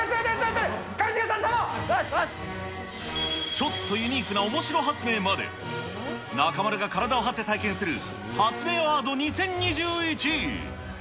ちょっとユニークなおもしろ発明まで、中丸が体を張って体験する発明アワード２０２１。